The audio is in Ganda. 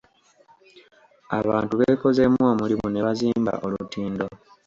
Abantu beekozeemu omulimu ne bazimba olutindo.